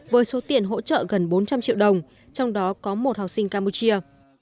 với số tiền hỗ trợ gần bốn trăm linh triệu đồng trong đó có một học sinh campuchia